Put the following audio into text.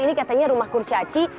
ini katanya rumah kurcaci